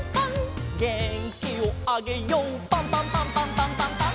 「げんきをあげようパンパンパンパンパンパンパン！！」